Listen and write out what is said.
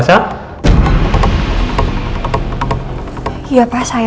maksudmu anda belum ada